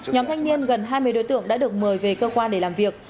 nhóm thanh niên gần hai mươi đối tượng đã được mời về cơ quan để làm việc